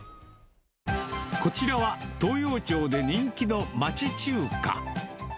こちらは東陽町で人気の町中華。